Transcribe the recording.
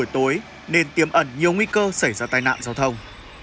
tối nên tiêm ẩn nhiều nguy cơ xảy ra tai nạn giao thông